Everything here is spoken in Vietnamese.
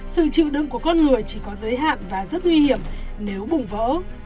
sự chịu đựng của con người chỉ có giới hạn và rất nguy hiểm nếu bùng vỡ